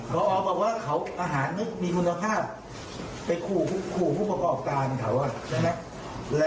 แล้วทำไมพออไม่เอาเงินตัวนี้แล้วไปเพิ่มคุณชาติอาหารให้เด็กละ